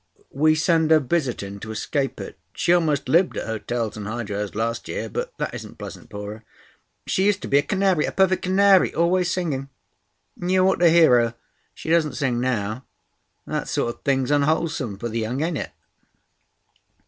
We send her visiting to escape it. She almost lived at hotels and hydros, last year, but that isn't pleasant for her. She used to be a canary—a perfect canary—always singing. You ought to hear her. She doesn't sing now. That sort of thing's unwholesome for the young, ain't it?"